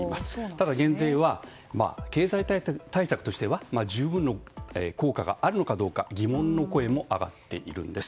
ただ、減税は経済対策としては十分の効果があるのかどうか疑問の声も上がっているんです。